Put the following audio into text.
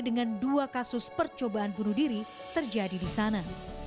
dengan dua kasus percobaan bunuh diri terjadi di sana